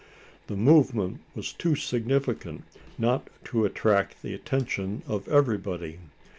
The movement was too significant not to attract the attention of everybody.